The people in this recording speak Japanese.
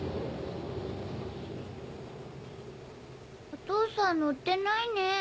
お父さん乗ってないね。